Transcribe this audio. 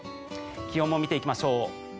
気温も見ていきましょう。